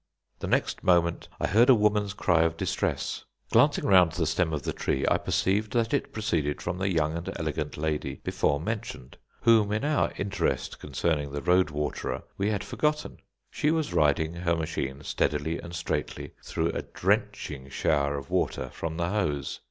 The next moment I heard a woman's cry of distress. Glancing round the stem of the tree, I perceived that it proceeded from the young and elegant lady before mentioned, whom, in our interest concerning the road waterer, we had forgotten. She was riding her machine steadily and straightly through a drenching shower of water from the hose.